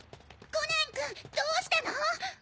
コナン君どうしたの？